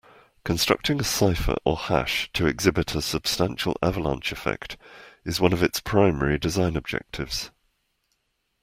Constructing a cipher or hash to exhibit a substantial avalanche effect is one of its primary design objectives.